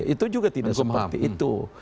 itu juga tidak seperti itu